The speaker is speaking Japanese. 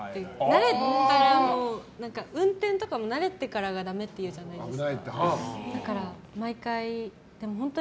慣れたらもう運転とかも慣れてからがだめって言うじゃないですか。